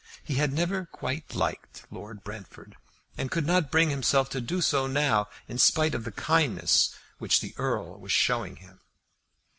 He had never quite liked Lord Brentford, and could not bring himself to do so now in spite of the kindness which the Earl was showing him.